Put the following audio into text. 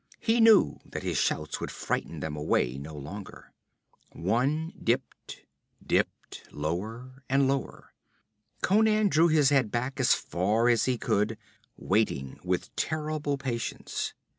He knew that his shouts would frighten them away no longer. One dipped dipped lower and lower. Conan drew his head back as far as he could, waiting with terrible patience.